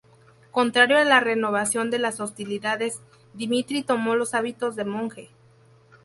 Contrario a la renovación de las hostilidades, Dmitri tomó los hábitos de monje.